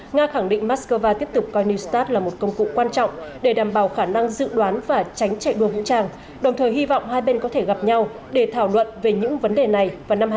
nga khẳng định moscow tiếp tục coi nistat là một công cụ quan trọng để đảm bảo khả năng dự đoán và tránh chạy đua vũ trang đồng thời hy vọng hai bên có thể gặp nhau để thảo luận về những vấn đề này vào năm hai nghìn hai mươi